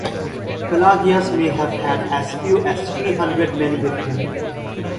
Pelagius may have had as few as three hundred men with him.